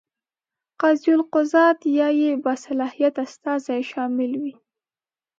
قاضي القضات یا یې باصلاحیت استازی شامل وي.